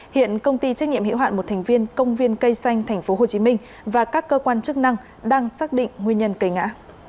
hiện công ty trách nhiệm hiệu hạn một thành viên công viên cây xanh tp hcm và các cơ quan chức năng đang xác định nguyên nhân cây ngã